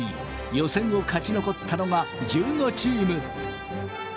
予選を勝ち残ったのが１５チーム。